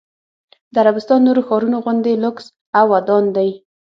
د عربستان نورو ښارونو غوندې لوکس او ودان دی.